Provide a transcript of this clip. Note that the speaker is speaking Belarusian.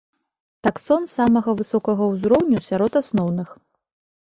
Таксон самага высокага ўзроўню сярод асноўных.